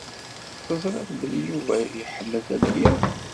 Teẓriḍ belli Yuba iḥemmel tabyirt.